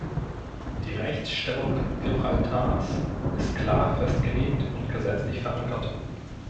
Die Rechtsstellung Gibraltars ist klar festgelegt und gesetzlich verankert.